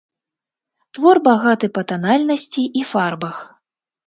Твор багаты па танальнасці і фарбах.